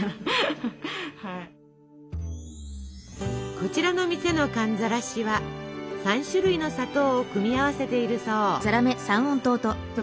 こちらの店の寒ざらしは３種類の砂糖を組み合わせているそう。